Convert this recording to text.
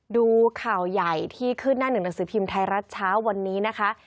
ดูข่าวใหญ่ที่ขึ้นหน้าหนึ่งหนังสือพิมพ์ไทยรัฐเช้าวันนี้นะคะ